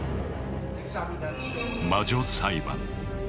魔女裁判。